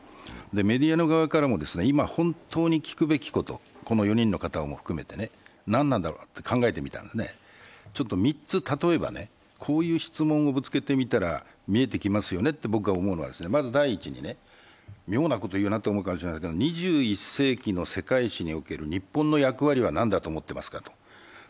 メディアの側からも、今、本当に聞くべきこと、この４人の方を含めてね、何なんだろうと考えてみたら、ちょっと３つ例えばこういう質問をぶつけてみたら見えてきますよねと思うのがね、第一に妙なこと言うなと思うかもしれませんが２１世紀の世界史における日本の役割は何だと思っていますかと。